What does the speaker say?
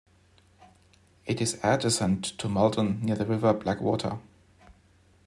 It is adjacent to Maldon, near the River Blackwater.